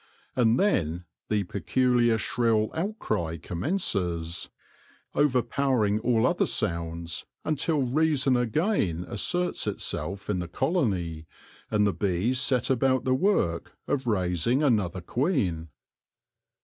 And then the peculiar shrill outcry commences, over powering all other sounds until reason again asserts itself in the colony, and the bees set about the work of raising another queen.